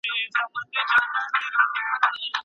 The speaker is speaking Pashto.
د الهام مانا یوازې ځانګړو کسانو ته ده.